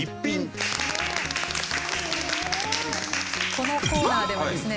このコーナーではですね